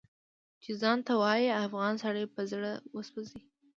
چې ځان ته ووايي افغان سړی په زړه وسوځي